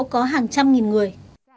có hàng trăm nghìn người